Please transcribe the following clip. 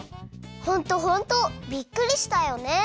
ホントホント！びっくりしたよね！